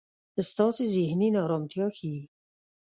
ستاسې زهني نا ارمتیا ښي.